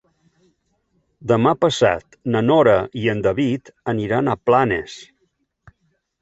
Demà passat na Nora i en David aniran a Planes.